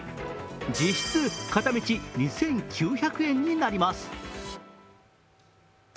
実質、片道２９００円になります。